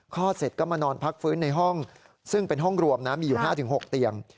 เสร็จก็มานอนพักฟื้นในห้องซึ่งเป็นห้องรวมนะมีอยู่๕๖เตียง